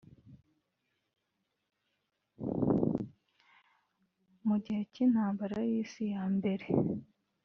Mu gihe cy’intambara y’isi ya mbere